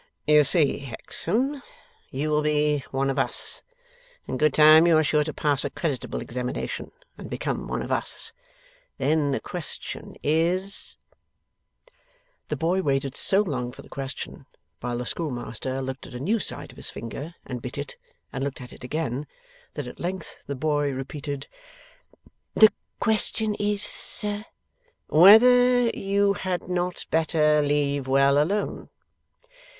'You see, Hexam, you will be one of us. In good time you are sure to pass a creditable examination and become one of us. Then the question is ' The boy waited so long for the question, while the schoolmaster looked at a new side of his finger, and bit it, and looked at it again, that at length the boy repeated: 'The question is, sir ?' 'Whether you had not better leave well alone.